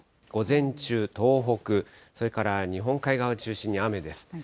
午前中、東北、それから日本海側を中心に雨です。